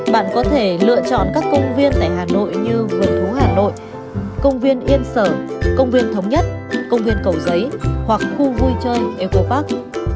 bạn có thể lựa chọn các công viên tại hà nội như vườn thú hà nội công viên yên sở công viên thống nhất công viên cầu giấy hoặc khu vui chơi eco park